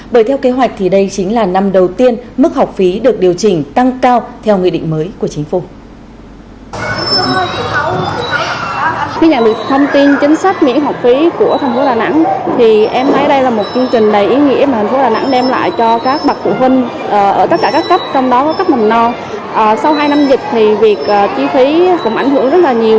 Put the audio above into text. bởi theo kế hoạch thì đây chính là năm đầu tiên mức học phí được điều chỉnh tăng cao theo nghị định mới của chính phủ